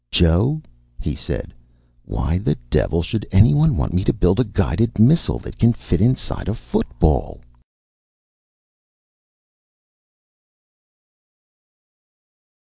"Joe," he said, "why the devil should anyone want me to build a guided missile that can fit in side a football?"